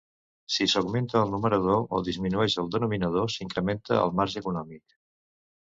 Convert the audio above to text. Si s'augmenta el numerador o disminueix el denominador s'incrementa el marge econòmic.